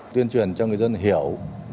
tuyên truyền cho người dân hiểu